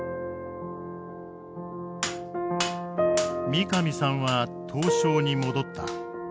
三上さんは刀匠に戻った。